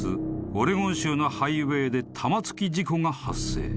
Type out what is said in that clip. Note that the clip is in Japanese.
［オレゴン州のハイウエーで玉突き事故が発生］